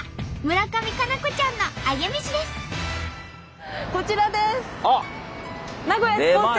村上佳菜子ちゃんのアゲメシです！